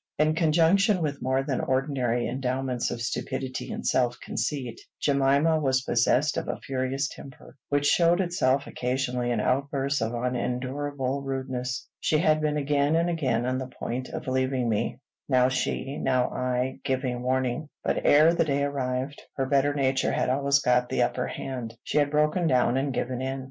In conjunction with more than ordinary endowments of stupidity and self conceit, Jemima was possessed of a furious temper, which showed itself occasionally in outbursts of unendurable rudeness. She had been again and again on the point of leaving me, now she, now I, giving warning; but, ere the day arrived, her better nature had always got the upper hand, she had broken down and given in.